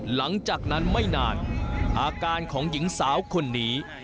หลังจากนั้นไม่นานอาการของหญิงสาวคนนี้